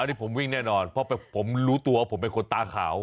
อันนี้ผมวิ่งแน่นอนเพราะผมรู้ตัวว่าผมเป็นคนตาขาว